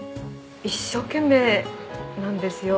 一生懸命なんですよ。